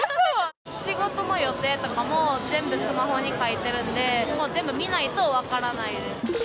仕事の予定とかも全部スマホに書いているので、全部見ないと分からないです。